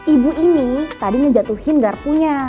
ibu ini tadi ngejatuhin garpunya